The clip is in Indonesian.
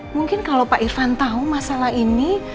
mungkin kalau pak irfan tahu masalah ini